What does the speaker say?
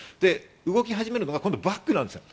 動き始めるのが今度バックなんです。